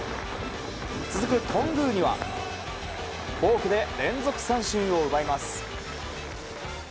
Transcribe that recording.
続く頓宮にはフォークで連続三振を奪います。